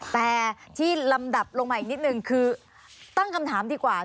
แต่ที่ลำดับลงมาอีกนิดนึงคือตั้งคำถามดีกว่า